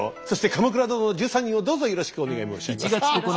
そして「鎌倉殿の１３人」をどうぞよろしくお願い申し上げます。